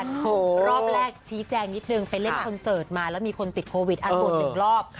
โอ้โหรอบแรกชี้แจงนิดนึงไปเล่นคอนเสิร์ตมาแล้วมีคนติดโควิดตรวจ๑รอบ